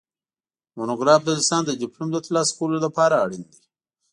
مونوګراف د لیسانس د ډیپلوم د ترلاسه کولو لپاره اړین دی